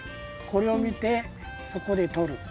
これを見てそこでとる。